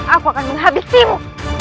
aku akan menghabisimu